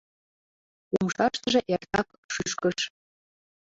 Умшаштыже эртак шӱшкыш.